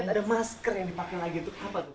ada masker yang dipakai lagi itu apa tuh